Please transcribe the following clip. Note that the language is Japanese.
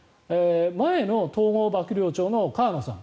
前の統合幕僚長の河野さん